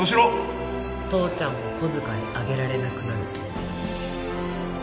父ちゃんも小遣いあげられなくなるけど。